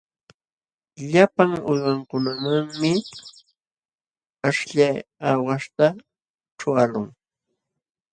Llapa uywankunamanmi aśhllay aawaśhta ćhuqaqlun.